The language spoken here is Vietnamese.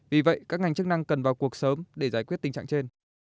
vì vậy các ngành chức năng cần vào cuộc sớm để giải quyết tình trạng trên